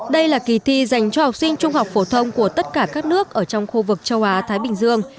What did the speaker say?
đây là kỳ thi dành cho học sinh trung học phổ thông của tất cả các nước ở trong khu vực châu á thái bình dương